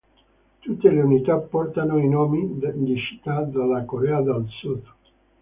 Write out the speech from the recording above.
Tutte le unità portano i nomi di città della Corea del Sud.